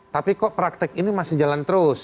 tapi kok praktek ini masih jalan terus